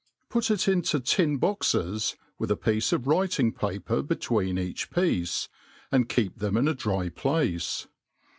Put it into tin boxes, with a piece of writing paper between each piece, and keep them in a dry place.